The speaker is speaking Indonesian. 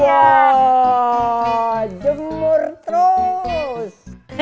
wah jemur terus